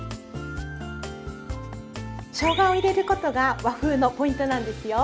しょうがを入れることが和風のポイントなんですよ。